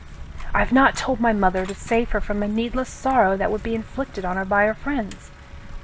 I've not told my mother, to save her from a need less sorrow that would be inflicted on her by her friends.